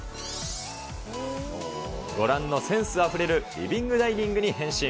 ご覧のセンスあふれるリビングダイニングに変身。